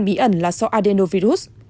bí ẩn là do adenovirus